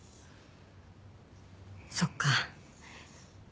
そっか。